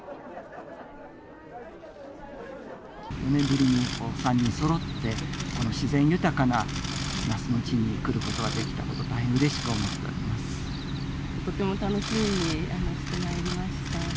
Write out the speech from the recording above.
４年ぶりに３人そろって、この自然豊かな那須の地に来ることができたことを大変うれしく思とても楽しみにしてまいりました。